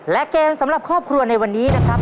และเกมสำหรับครอบครัวในวันนี้นะครับ